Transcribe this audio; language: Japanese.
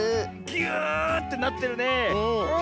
ぎゅってなってるねえ。